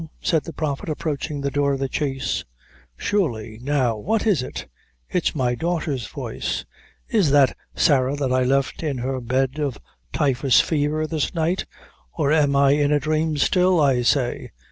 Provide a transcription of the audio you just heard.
said the Prophet, approaching the door of the chaise. "Surely now what is it? It's my daughter's voice! Is that Sarah that I left in her bed of typhus faver this night? Or, am I in a dhrame still, I say?